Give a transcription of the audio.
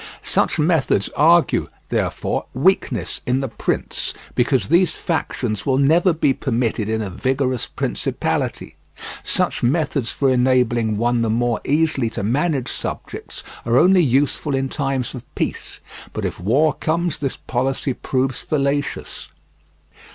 Such methods argue, therefore, weakness in the prince, because these factions will never be permitted in a vigorous principality; such methods for enabling one the more easily to manage subjects are only useful in times of peace, but if war comes this policy proves fallacious.